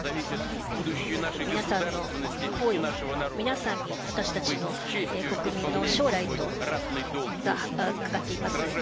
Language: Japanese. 皆さんの行為、皆さんに私たちの国民の将来がかかっています。